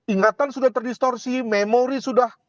ingatan sudah terdistorsi memori sudah